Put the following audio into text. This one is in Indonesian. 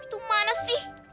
itu mana sih